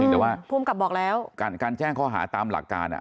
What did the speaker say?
แต่ว่าการแจ้งเขาหาตามหลักการ